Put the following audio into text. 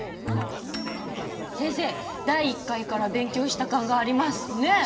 先生第１回から勉強した感があります。ねぇ！